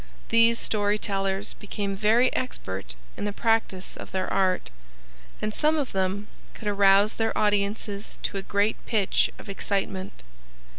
These story tellers became very expert in the practice of their art, and some of them could arouse their audiences to a great pitch of excitement.